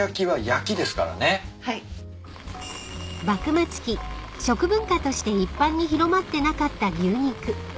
［幕末期食文化として一般に広まってなかった牛肉］